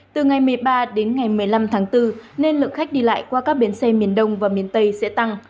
từ ngày một mươi ba đến ngày một mươi năm tháng bốn nên lượng khách đi lại qua các bến xe miền đông và miền tây sẽ tăng